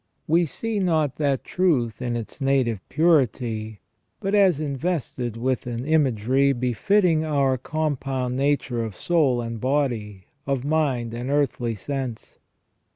We see not that truth in its native purity, but as invested with an imagery befitting our compound nature of soul and body, of mind and earthly sense.